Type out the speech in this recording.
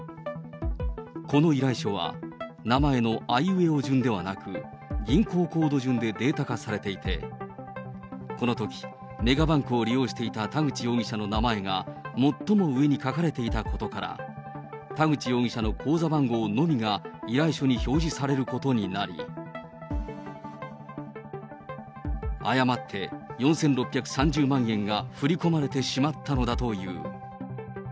この依頼書は、名前のあいうえお順ではなく、銀行コード順でデータ化されていて、このとき、メガバンクを利用していた田口容疑者の名前が最も上に書かれていたことから、田口容疑者の口座番号のみが依頼書に表示されることになり、誤って４６３０万円が振り込まれてしまったのだという。